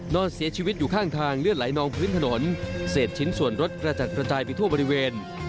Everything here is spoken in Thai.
นอนเสียชีวิตอยู่ข้างทางเลือดไหลนองพื้นถนนเศษชิ้นส่วนรถกระจัดกระจายไปทั่วบริเวณ